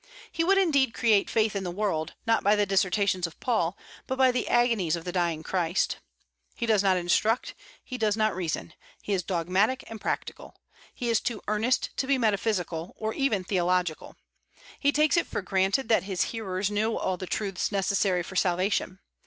He would indeed create faith in the world, not by the dissertations of Paul, but by the agonies of the dying Christ. He does not instruct; he does not reason. He is dogmatic and practical. He is too earnest to be metaphysical, or even theological. He takes it for granted that his hearers know all the truths necessary for salvation.